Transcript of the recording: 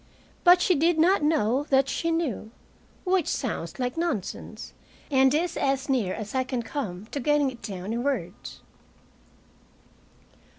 But she did not know that she knew which sounds like nonsense and is as near as I can come to getting it down in words.